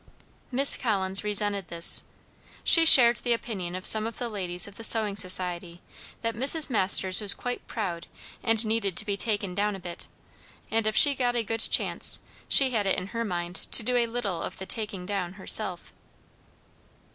Miss Collins resented this. She shared the opinion of some of the ladies of the Sewing Society, that Mrs. Masters was quite proud and needed to be "taken down" a bit; and if she got a good chance, she had it in her mind to do a little of the "taking down" herself.